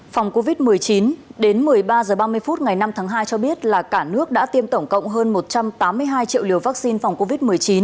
phòng covid một mươi chín đến một mươi ba h ba mươi phút ngày năm tháng hai cho biết là cả nước đã tiêm tổng cộng hơn một trăm tám mươi hai triệu liều vaccine phòng covid một mươi chín